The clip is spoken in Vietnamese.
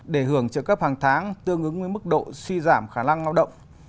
để hưởng chế độc hóa học hàng tháng tương ứng với mức độ suy giảm khả năng lao động